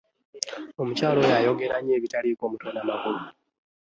Omukyala oyo oyogera nnyo ebitaliko mutwe na magulu.